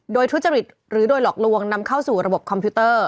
โดยทุจริตหรือโดยหลอกลวงนำเข้าสู่ระบบคอมพิวเตอร์